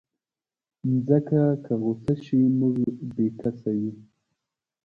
مځکه که غوسه شي، موږ بېکسه یو.